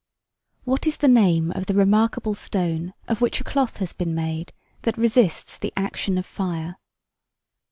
What is the name of the remarkable stone of which a cloth has been made, that resists the action of fire?